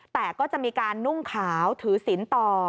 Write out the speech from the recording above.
แต่ก็จะมีการนุ่งขาวถือศิลป์ต่อ